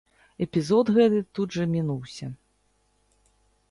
Эпізод гэты тут жа мінуўся.